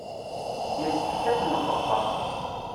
Yessefk ad ten-nxebbeṛ.